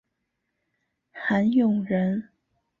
韩永人。